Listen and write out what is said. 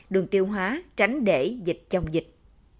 đường tiêu hóa tránh để dịch trong dịch